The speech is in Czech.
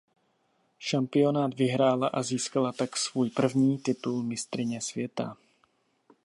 Šampionát vyhrála a získala tak svůj první titul mistryně světa.